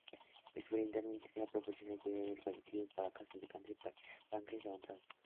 Experimentalmente, se han proporcionado cuidados paliativos para casos de cáncer de páncreas avanzado.